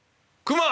熊！」。